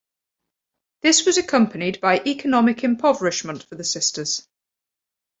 This was accompanied by economic impoverishment for the sisters.